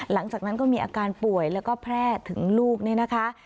หลังจากนั้นก็มีอาการป่วยแล้วก็แพร่ถึงลูกเนี่ยนะคะ